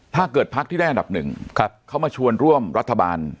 ถ้าเกิดภักดิ์ที่ได้อันดับหนึ่งเขามาชวนร่วมรัฐบาล